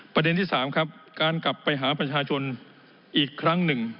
ประเด็นที่๓ครับการกลับไปหาประชาชนอีกครั้งหนึ่ง